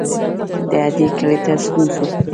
د هډې کلي ته ستون شو.